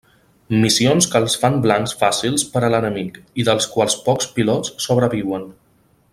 Missions que els fan blancs fàcils per a l'enemic, i dels quals pocs pilots sobreviuen.